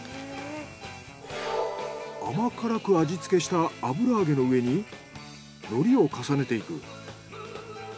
甘辛く味付けした油揚げの上に海苔を重ねていく。